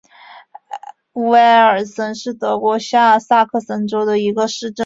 乌埃尔森是德国下萨克森州的一个市镇。